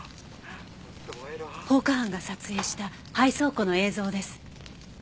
もっと燃えろ」放火犯が撮影した廃倉庫の映像です。